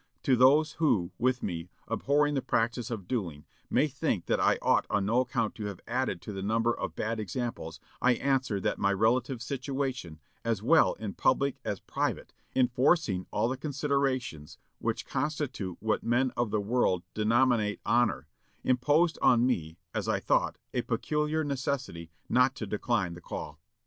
To those who, with me, abhorring the practice of duelling, may think that I ought on no account to have added to the number of bad examples, I answer that my relative situation, as well in public as private, enforcing all the considerations which constitute what men of the world denominate honor, imposed on me (as I thought) a peculiar necessity not to decline the call.